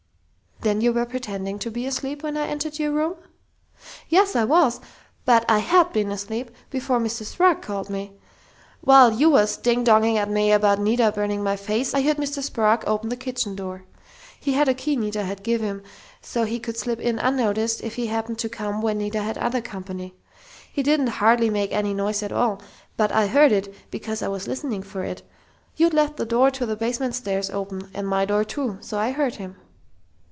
"Then you were pretending to be asleep when I entered your room?" "Yes, I was! But I had been asleep before Mr. Sprague called me. While you was ding donging at me about Nita burning my face I heard Mr. Sprague open the kitchen door. He had a key Nita had give him, so's he could slip in unnoticed if he happened to come when Nita had other company. He didn't hardly make any noise at all, but I heard it, because I was listening for it.... You'd left the door to the basement stairs open, and my door, too, so I heard him."